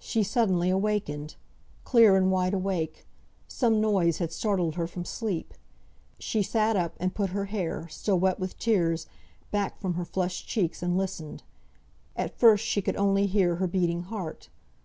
She suddenly wakened! Clear and wide awake! Some noise had startled her from sleep. She sat up, and put her hair (still wet with tears) back from her flushed cheeks, and listened. At first she could only hear her beating heart.